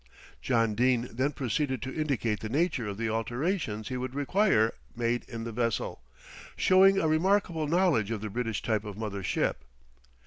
John Dene then proceeded to indicate the nature of the alterations he would require made in the vessel, showing a remarkable knowledge of the British type of mother ship.